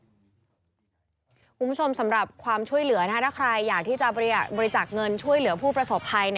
สำหรับความช่วยเหลือถ้าใครอยากที่จะบริจาคเงินช่วยเหลือผู้ประสบภัย